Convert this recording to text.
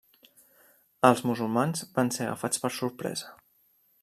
Els musulmans van ser agafats per sorpresa.